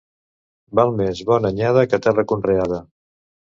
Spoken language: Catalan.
Val més bona anyada que terra conreada.